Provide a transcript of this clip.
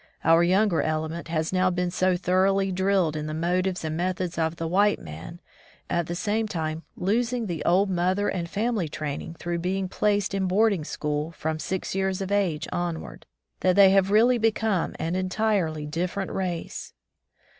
Our younger element has now been so thoroughly drilled in the motives and methods of the white man, at the same time losing the old mother and family training through being placed in boarding school from six years of age on ward, that they have really become an entirely diflFerent race.